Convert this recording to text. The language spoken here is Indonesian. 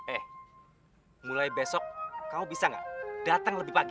eh mulai besok kamu bisa nggak datang lebih pagi